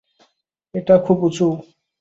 এটা খুব উঁচুও।